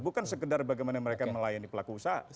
bukan sekedar bagaimana mereka melayani pelaku usaha